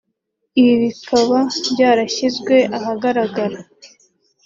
Ibi bikaba byarashyizwe ahagaragara